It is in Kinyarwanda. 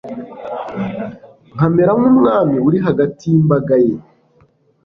nkamera nk'umwami uri hagati y'imbaga ye